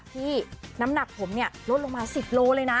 พี่น้ำหนักผมเนี่ยลดลงมา๑๐โลเลยนะ